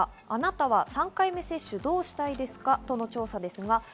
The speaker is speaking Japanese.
あなたは３回目接種どうしたいですか？との調査です。